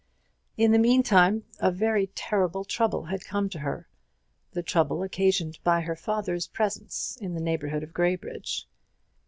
In the meantime a very terrible trouble had come to her the trouble occasioned by her father's presence in the neighbourhood of Graybridge.